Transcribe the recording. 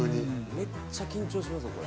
めっちゃ緊張しますよこれ。